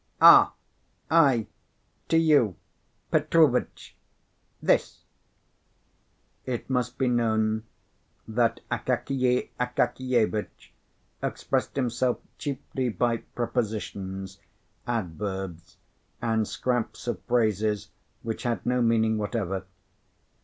"Ah! I to you, Petrovitch, this " It must be known that Akakiy Akakievitch expressed himself chiefly by prepositions, adverbs, and scraps of phrases which had no meaning whatever.